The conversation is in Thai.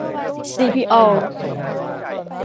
ซีพี ออลล์